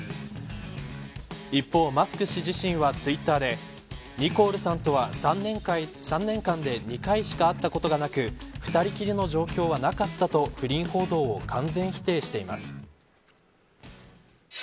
一方、マスク氏自身はツイッターでニコールさんとは３年間で２回しか会ったことがなく２人きりの状況はなかったと不倫報道を完全否定しています。